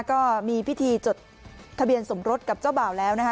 ก็มีพิธีจดทะเบียนสมรสกับเจ้าบ่าวแล้วนะคะ